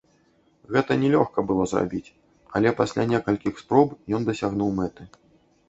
Гэта не лёгка было зрабіць, але пасля некалькіх спроб ён дасягнуў мэты.